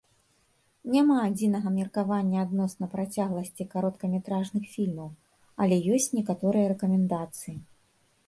Няма адзінага меркавання адносна працягласці кароткаметражных фільмаў, але ёсць некаторыя рэкамендацыі.